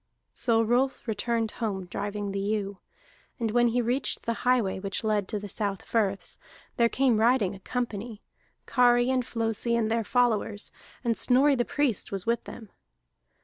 So Rolf returned toward home driving the ewe; and when he reached the highway which led to the South Firths, there came riding a company, Kari and Flosi and their followers, and Snorri the Priest was with them.